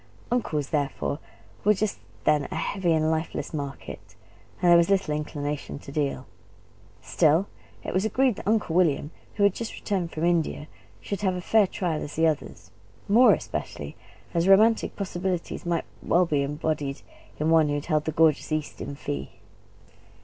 Uncles, therefore, were just then a heavy and lifeless market, and there was little inclination to deal. Still it was agreed that Uncle William, who had just returned from India, should have as fair a trial as the others; more especially as romantic possibilities might well be embodied in one who had held the gorgeous East in fee.